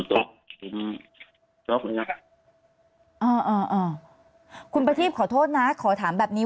ชอบควรอย่างกันอ๋อคุณประทีบขอโทษนะขอถามแบบนี้